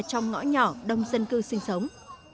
trong ngõ nhỏ đông dân cư sinh sống